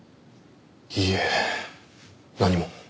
いいえ何も。